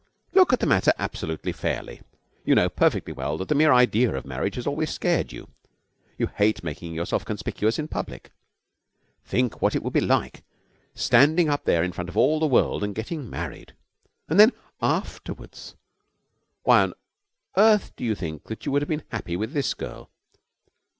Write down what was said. Look at the matter absolutely fairly. You know perfectly well that the mere idea of marriage has always scared you. You hate making yourself conspicuous in public. Think what it would be like, standing up there in front of all the world and getting married. And then afterwards! Why on earth do you think that you would have been happy with this girl?